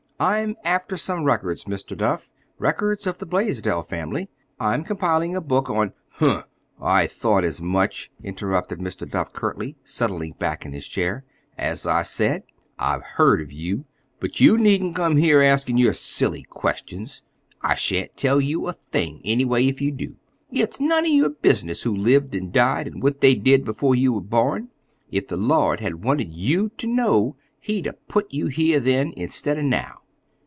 "I'm after some records, Mr. Duff,—records of the Blaisdell family. I'm compiling a book on— "Humph! I thought as much," interrupted Mr. Duff curtly, settling back in his chair. "As I said, I've heard of you. But you needn't come here asking your silly questions. I shan't tell you a thing, anyway, if you do. It's none of your business who lived and died and what they did before you were born. If the Lord had wanted you to know he'd 'a' put you here then instead of now!"